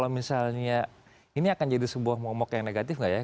kalau misalnya ini akan jadi sebuah momok yang negatif nggak ya